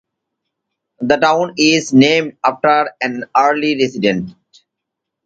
The town is named after an early resident.